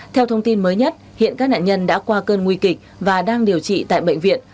theo thông tin mới nhất hiện các nạn nhân đã qua cơn nguy kịch và đang điều trị tại bệnh viện